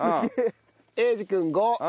英二君５。